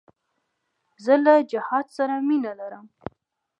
زه له جهاد سره مینه لرم.